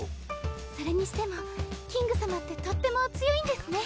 それにしてもキング様ってとってもお強いんですね。